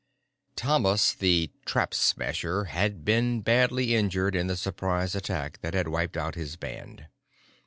X Thomas the Trap Smasher had been badly injured in the surprise attack that had wiped out his band.